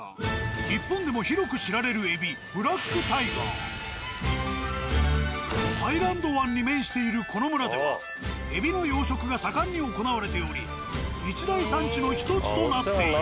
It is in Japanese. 日本でも広く知られるエビタイランド湾に面しているこの村ではエビの養殖が盛んに行われており一大産地の１つとなっている。